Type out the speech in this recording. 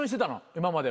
今までは。